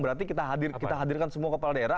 berarti kita hadirkan semua kepala daerah